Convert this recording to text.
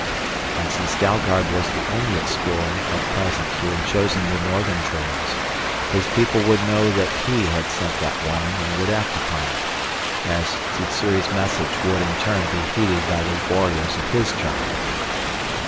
And since Dalgard was the only explorer at present who had chosen the northern trails, his people would know that he had sent that warning and would act upon it, as Sssuri's message would in turn be heeded by the warriors of his tribe.